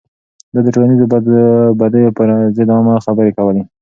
ده د ټولنيزو بديو پر ضد عامه خبرې کولې.